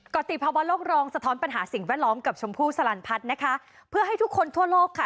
ติภาวะโลกรองสะท้อนปัญหาสิ่งแวดล้อมกับชมพู่สลันพัฒน์นะคะเพื่อให้ทุกคนทั่วโลกค่ะ